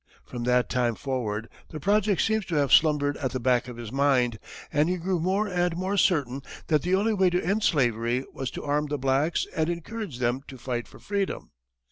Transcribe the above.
From that time forward, the project seems to have slumbered at the back of his mind, and he grew more and more certain that the only way to end slavery was to arm the blacks and encourage them to fight for freedom.